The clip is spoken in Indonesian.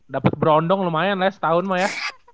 dapet berondong lumayan lah setahun mah ya